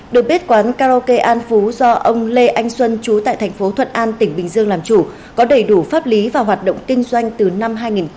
đội bếp quán karaoke an phú do ông lê anh xuân trú tại tp thuận an tỉnh bình dương làm chủ có đầy đủ pháp lý và hoạt động kinh doanh từ năm hai nghìn một mươi sáu